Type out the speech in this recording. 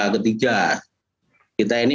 ketiga kita ini